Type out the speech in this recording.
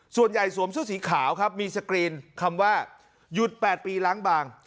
ส่วนใหญ่สวมสู้สีขาวครับมีสกรีนคำว่าหยุดแปดปีหลังบาง